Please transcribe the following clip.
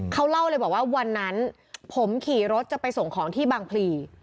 เขาเล่าเลยบอกว่าวันนั้นผมขี่รถจะไปส่งของที่บางพลี